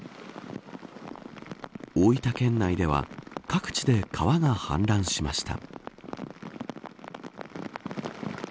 大分県内では各地で川が氾濫しました。